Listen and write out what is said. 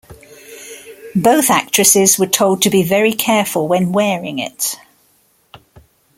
Both actresses were told to be very careful when wearing it.